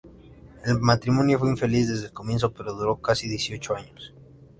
El matrimonio fue infeliz desde el comienzo, pero duró casi dieciocho años.